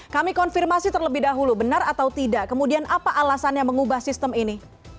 kami konfirmasi terlebih dahulu benar atau tidak kemudian apa alasannya mengubah sistem ini